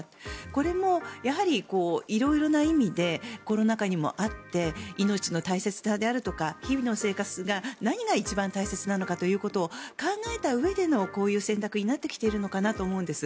これもやはり色々な意味でコロナ禍にもあって命の大切さであるとか日々の生活が何が一番大切なのかということを考えたうえでのこういう選択になってきているのかなと思うんです。